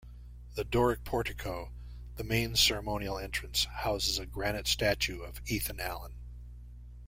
The Doric portico, the main ceremonial entrance, houses a granite statue of Ethan Allen.